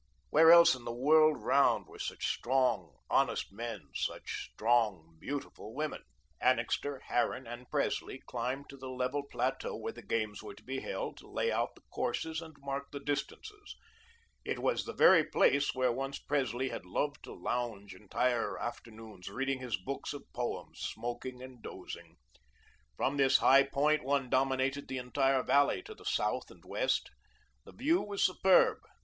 Where else in the world round were such strong, honest men, such strong, beautiful women? Annixter, Harran, and Presley climbed to the level plateau where the games were to be held, to lay out the courses, and mark the distances. It was the very place where once Presley had loved to lounge entire afternoons, reading his books of poems, smoking and dozing. From this high point one dominated the entire valley to the south and west. The view was superb.